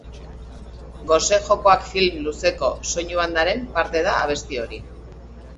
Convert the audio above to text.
Gose jokoak film luzeko soinu-bandaren parte da abesti hori.